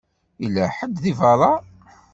Yella ḥedd deg beṛṛa.